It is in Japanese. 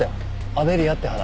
アベリアって花。